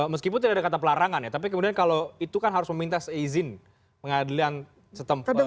meskipun tidak ada kata pelarangan ya tapi kemudian kalau itu kan harus meminta izin pengadilan setempat